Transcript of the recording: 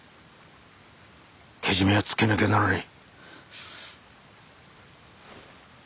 けじめはつけなきゃならねえ。